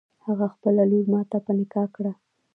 هغه خپله لور ماته په نکاح کړه.